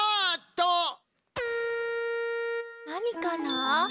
なにかな？